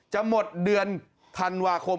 จะหมดเดือนธันวาคม